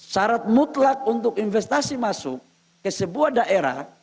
syarat mutlak untuk investasi masuk ke sebuah daerah